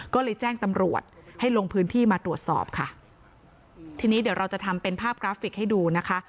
ก็เลยแจ้งตำรวจให้ลงพื้นที่มาตรวจสอบค่ะทีนี้เดี๋ยวเราจะทำเป็นภาพกราฟิกให้ดูนะคะ